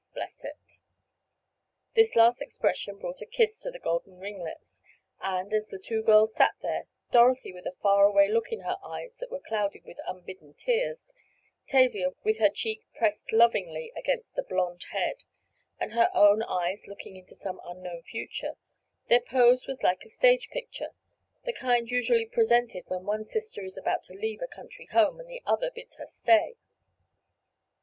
—bless it!" This last expression brought a kiss to the golden ringlets, and, as the two girls sat there, Dorothy with a far away look in her eyes that were clouded with unbidden tears, Tavia with her cheek pressed lovingly against the blond head, and her own eyes looking into some unknown future, their pose was like a stage picture—the kind usually presented when one sister is about to leave a country home, and the other bids her stay.